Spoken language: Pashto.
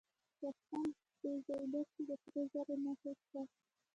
د بدخشان په زیباک کې د سرو زرو نښې شته.